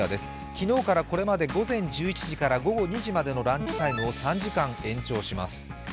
昨日からこれまで午前１１時から午後２時までのランチタイムを３時間延長します。